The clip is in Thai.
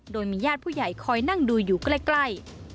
โดยมีญาติผู้ใหญ่คอยนั่งดูอยู่ใกล้